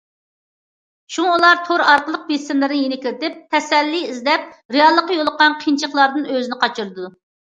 شۇڭا، ئۇلار تور ئارقىلىق بېسىملىرىنى يېنىكلىتىپ، تەسەللى ئىزدەپ رېئاللىقتا يولۇققان قىيىنچىلىقلاردىن ئۆزىنى قاچۇرىدۇ.